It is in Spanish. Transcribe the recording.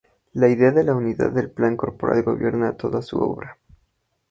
La idea de la unidad del plan corporal gobierna toda su obra.